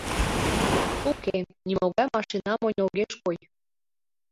Уке, нимогай машина монь огеш кой.